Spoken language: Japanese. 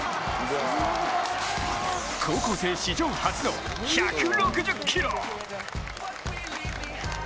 高校生史上初の１６０キロ。